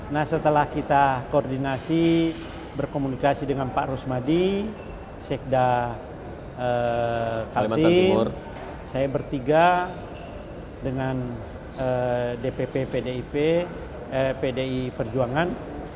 nah setelah kita koordinasi berkomunikasi dengan pak rusmadi sekda kaltim saya bertiga dengan dpp pdip pdi perjuangan